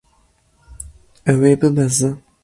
Ew ê bibeze.